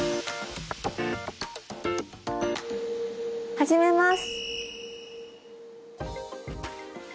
始めます。